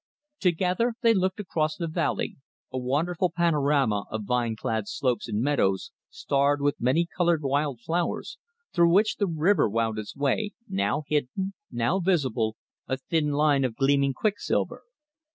Together they looked across the valley, a wonderful panorama of vine clad slopes and meadows, starred with many coloured wild flowers, through which the river wound its way, now hidden, now visible, a thin line of gleaming quicksilver.